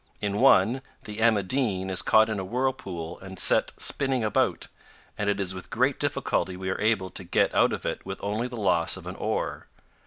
In one, the "Emma Dean" is caught in a whirlpool and set spinning about, and it is with great difficulty we are able to get out of it with only the loss of an oar.